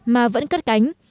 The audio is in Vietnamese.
mà vẫn cắt cánh